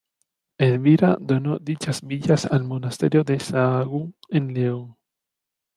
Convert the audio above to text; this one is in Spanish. Elvira donó dichas villas al monasterio de Sahagún en León.